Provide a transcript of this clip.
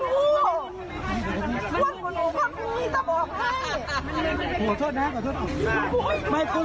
ครูบูลกันตัวนี้ครับครูบูล